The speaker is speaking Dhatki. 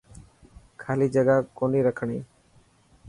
خالي جگا ڪوني رکڻي.